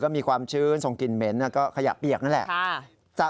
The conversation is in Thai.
มีความชื้นส่งกลิ่นเหม็นก็ขยะเปียกนั่นแหละ